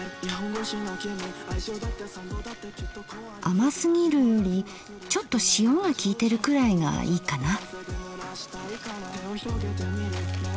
甘すぎるよりちょっと塩がきいてるくらいがいいかな。